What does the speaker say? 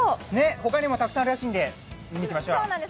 他にもたくさんあるらしいので見に行きましょう。